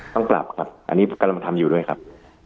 ต้องปรับครับอันนี้กำลังทำอยู่ด้วยครับ